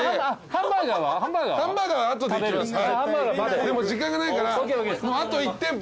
ハンバーガーは後で行きます。